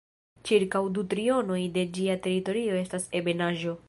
Ĉirkaŭ du trionoj de ĝia teritorio estas ebenaĵo.